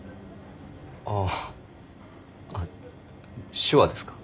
ああ手話ですか？